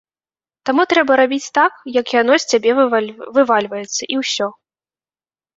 Таму трэба рабіць так, як яно з цябе вывальваецца, і ўсё.